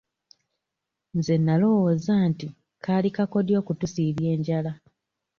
Nze nnalowooza nti kaali kakodyo okutusiibya enjala.